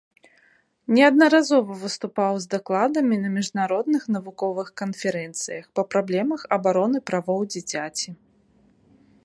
Неаднаразова выступаў з дакладамі на міжнародных навуковых канферэнцыях па праблемах абароны правоў дзіцяці.